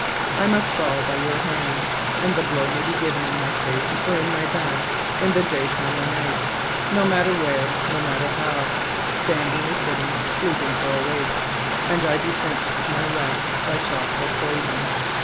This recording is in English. I must fall by your hand ; and the blow may be given in my face or in my back, in the daytime or night, — no matter where, no matter how, — standing or sitting, sleep ing or awake, — and I be sent to my rest by shot or poison.